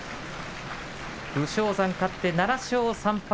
武将山勝って７勝３敗。